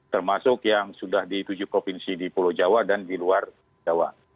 termasuk yang sudah di tujuh provinsi di pulau jawa dan di luar jawa